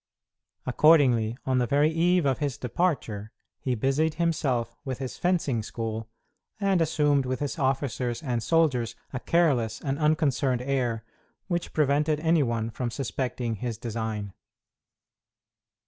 Accordingly, on the very eve of his departure, he busied himself with his fencing school, and assumed with his officers and soldiers a careless and unconcerned air, which prevented any one from suspecting his design.